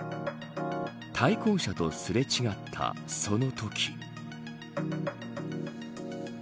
対向車とすれ違った、そのとき。